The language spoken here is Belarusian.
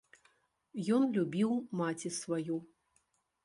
Ён любіў маці сваю.